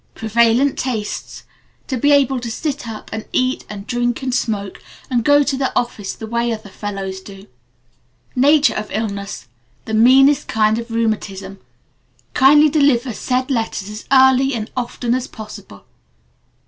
Prevalent tastes: To be able to sit up and eat and drink and smoke and go to the office the way other fellows do. Nature of illness: The meanest kind of rheumatism. Kindly deliver said letters as early and often as possible!